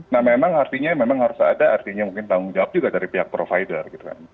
nah memang artinya memang harus ada artinya mungkin tanggung jawab juga dari pihak provider gitu kan